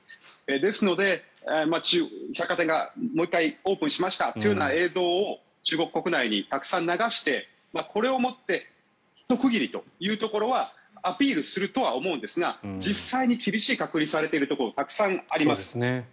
ですので、百貨店がもう１回オープンしましたという映像を中国国内にたくさん流してこれをもってひと区切りというところはアピールすると思うんですが実際に厳しい隔離をされているところたくさんあります。